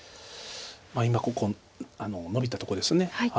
今ここノビたとこです。